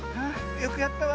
よくやったわ。